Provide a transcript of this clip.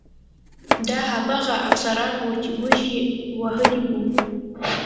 دا هماغه افسران وو چې موږ وهلي وو